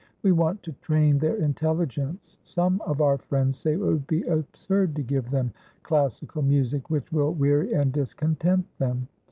We want to train their intelligence. Some of our friends say it will be absurd to give them classical music, which will weary and discontent them.